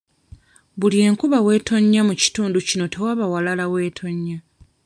Buli enkuba bw'etonnya mu kitundu kino tewaba walala w'etonnya.